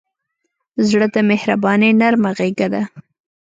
زړه د مهربانۍ نرمه غېږه ده.